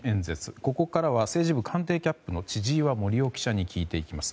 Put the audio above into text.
ここからは政治部官邸キャップの千々岩森生記者に聞いていきます。